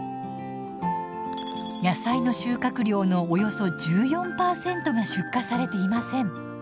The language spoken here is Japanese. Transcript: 野菜の収穫量のおよそ１４％が出荷されていません。